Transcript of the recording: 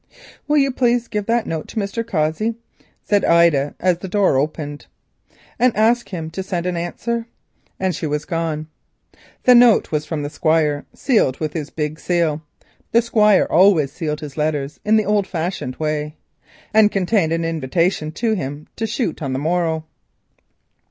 "Will you please give that note to Mr. Cossey," said Ida, as the door opened, "and ask him to send an answer?" and she was gone. The note was from the Squire, sealed with his big seal (the Squire always sealed his letters in the old fashioned way), and contained an invitation to himself to shoot on the morrow.